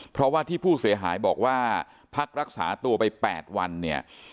เพราะว่าที่ผู้เสียหายบอกว่าพักรักษาตัวไป๘วันเนี่ย